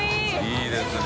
いいですね。